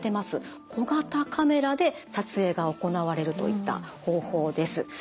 小型カメラで撮影が行われるといった方法です。